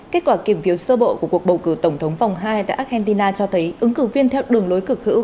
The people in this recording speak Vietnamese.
kết quả kiểm phiếu sơ bộ của cuộc bầu cử tổng thống vòng hai tại argentina cho thấy ứng cử viên theo đường lối cực hữu